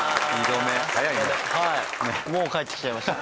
もう帰ってきちゃいました。